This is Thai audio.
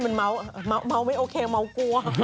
สุดยอด